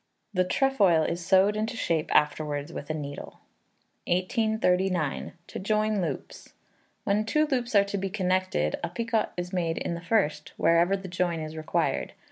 The trefoil is sewed into shape afterwards with a needle. 1839. To Join Loops. When two loops are to be connected, a picot is made in the first, wherever the join is required.